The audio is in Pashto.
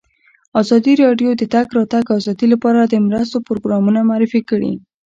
ازادي راډیو د د تګ راتګ ازادي لپاره د مرستو پروګرامونه معرفي کړي.